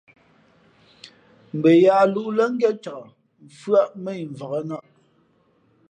Mbα yaā lūʼ lά ngén cak mfʉ́άʼ mά yi mvǎk nᾱʼ.